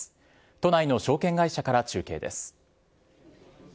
都内の証券会社から中継です。